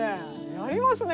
やりますね